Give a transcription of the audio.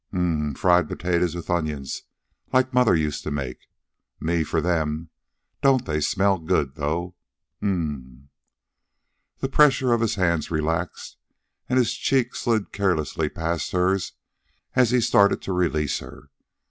"Um um um m m! Fried potatoes with onions like mother used to make. Me for them. Don't they smell good, though! Um um m m m!" The pressure of his hands relaxed, and his cheek slid caressingly past hers as he started to release her.